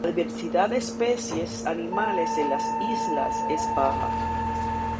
La diversidad de especies animales en las islas es baja.